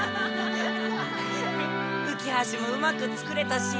うき橋もうまく作れたし。